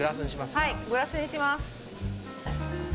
はい、グラスにします。